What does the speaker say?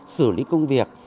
xử lý công việc